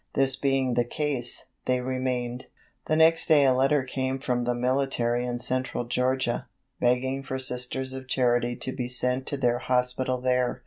This being the case, they remained. The next day a letter came from the military in Central Georgia, begging for Sisters of Charity to be sent to their hospital there.